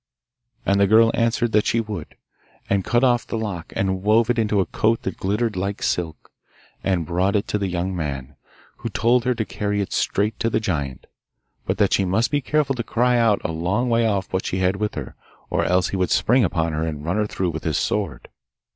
And the girl answered that she would, and cut off the lock, and wove it into a coat that glittered like silk, and brought it to the young man, who told her to carry it straight to the giant. But that she must be careful to cry out a long way off what she had with her, or else he would spring upon her and run her through with his sword.